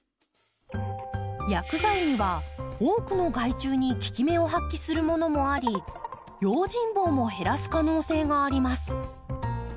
薬剤には多くの害虫に効き目を発揮するものもあり用心棒も減らす可能性があります。